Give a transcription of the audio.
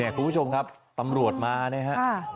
เนี่ยคุณผู้ชมครับตำรวจมาเนี่ยครับ